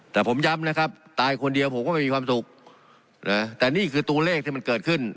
แต่ผมย้ำนะครับตายคนเดียวผมก็ไม่มีความสุขนะแต่นี่คือตัวเลขที่มันเกิดขึ้น